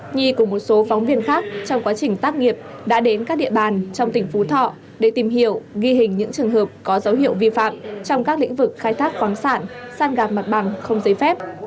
nhi cùng một số phóng viên khác trong quá trình tác nghiệp đã đến các địa bàn trong tỉnh phú thọ để tìm hiểu ghi hình những trường hợp có dấu hiệu vi phạm trong các lĩnh vực khai thác khoáng sản san gạp mặt bằng không giấy phép